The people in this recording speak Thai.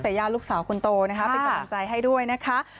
เดี๋ยวใครจะงงคนที่สัมภาษณ์